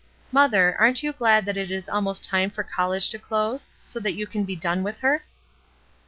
Mother, aren't you glad that it is almost time for college to close, so you can be done with her